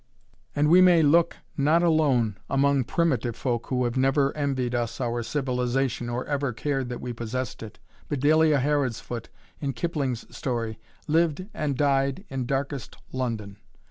And we may look not alone among primitive folk who have never envied us our civilization or ever cared that we possessed it. Badalia Herodsfoot, in Kipling's story, lived and died in darkest London.